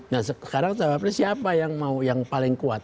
nah sekarang cawapres siapa yang mau yang paling kuat